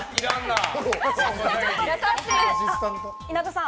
稲田さん。